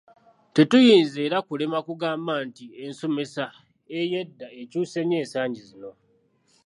Tetuyinza era kulema kugamba nti ensomesa ey'eddaa ekyuse nnyo ensangi zino.